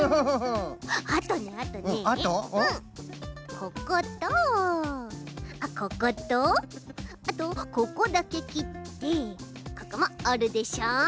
こことこことあとここだけきってここもおるでしょ。